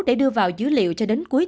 để đưa vào dữ liệu cho địa phương